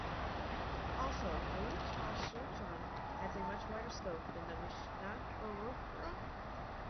Also, "Aruch HaShulchan" has a much wider scope than the "Mishnah Berurah".